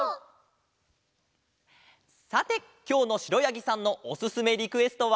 さてきょうのしろやぎさんのおすすめリクエストは。